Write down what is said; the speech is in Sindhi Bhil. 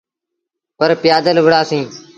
پر پيٚآدل وُهڙآ سيٚݩ۔